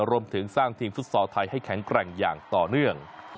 รวมถึงสร้างทีมฟุตซอลไทยให้แข็งแกร่งอย่างต่อเนื่อง